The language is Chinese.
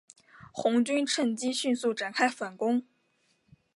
红军乘机迅速展开反攻。